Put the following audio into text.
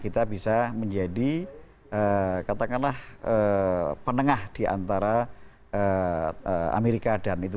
kita bisa menjadi katakanlah penengah diantara amerika dan itu